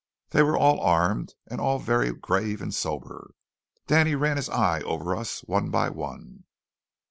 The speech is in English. They were all armed, and all very grave and sober. Danny ran his eye over us one by one.